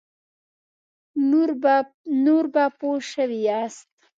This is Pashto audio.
نور به پوه شوي یاست.